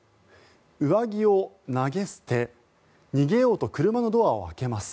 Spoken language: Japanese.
上着を投げ捨て逃げようと車のドアを開けます。